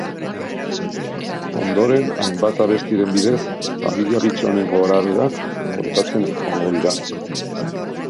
Ondoren, hainbat abestiren bidez, familia bitxi honen gorabeherak kontatzen joango dira.